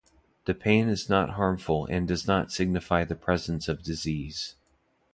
The pain is not harmful and does not signify the presence of disease.